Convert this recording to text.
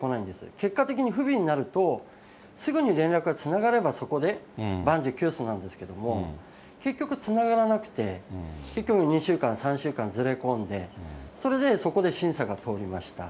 結果的に不備になると、すぐに連絡がつながればそこで万事休すなんですけれども、結局、つながらなくて、結局２週間、３週間ずれ込んで、それでそこで審査が通りました。